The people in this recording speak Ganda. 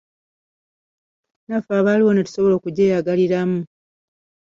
Naffe abaliwo ne tusobola okugyeyagaliramu.